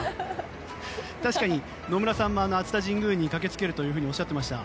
確かに野村さんも熱田神宮に駆け付けるとおっしゃってました。